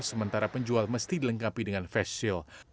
sementara penjual mesti dilengkapi dengan face shield